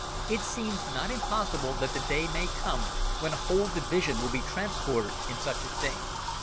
It seems not impossible that the day may come when a whole division will be transported in such a thing.